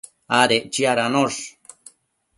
adec chiadanosh